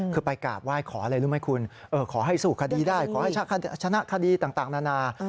คือไปกราบไหว้ขออะไรรู้ไหมคุณขอให้สู้คดีได้ขอให้ชนะคดีต่างนานา